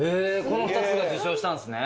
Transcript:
この２つが受賞したんですね